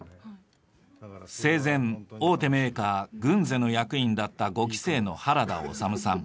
生前大手メーカーグンゼの役員だった５期生の原田修さん。